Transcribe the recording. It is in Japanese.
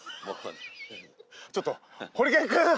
ちょっとホリケン君！